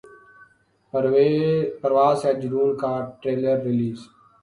پرواز ہے جنون کا trailer release